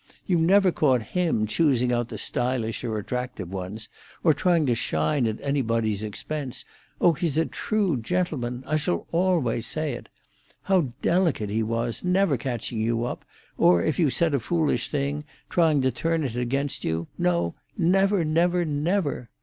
You never caught him choosing out the stylish or attractive ones, or trying to shine at anybody's expense. Oh, he's a true gentleman—I shall always say it. How delicate he was, never catching you up, or if you said a foolish thing, trying to turn it against you. No, never, never, never!